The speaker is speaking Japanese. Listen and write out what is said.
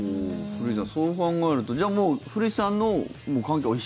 古市さん、そう考えるとじゃあ、もう古市さんの環境は。